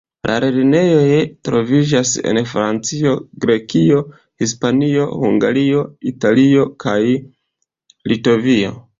La lernejoj troviĝas en Francio, Grekio, Hispanio, Hungario, Italio kaj Litovio.